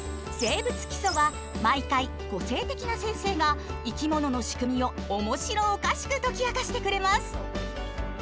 「生物基礎」は毎回個性的な先生が生き物の仕組みを面白おかしく解き明かしてくれます。